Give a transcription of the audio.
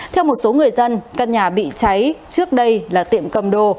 theo một số người dân căn nhà bị cháy trước đây là tiệm cầm đồ